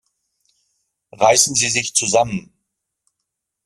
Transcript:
Reißen Sie sich zusammen!